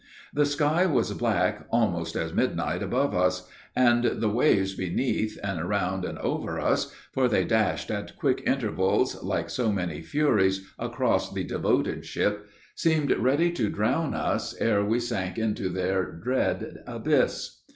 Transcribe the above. The sky was black almost as midnight above us, and the waves beneath, and around, and over us for they dashed at quick intervals, like so many furies, across the devoted ship seemed ready to drown us ere we sank into their dread abyss.